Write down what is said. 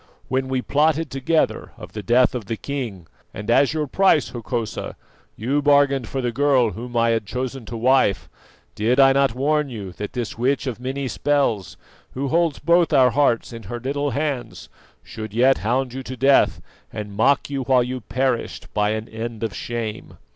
"When we plotted together of the death of the king, and as your price, Hokosa, you bargained for the girl whom I had chosen to wife, did I not warn you that this witch of many spells, who holds both our hearts in her little hands, should yet hound you to death and mock you while you perished by an end of shame?